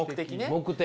目的。